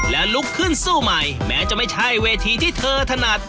และลุกขึ้นสู้ใหม่แม้จะไม่ใช่เวทีที่เธอถนัด